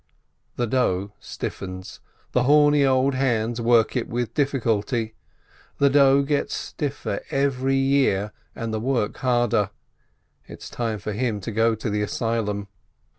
The dough stiffens, the horny old hands work it with difficulty. The dough gets stiffer every year, and the work harder, it is time for him to go to the asylum